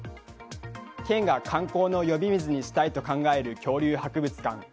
県が観光の呼び水にしたいと考える恐竜博物館。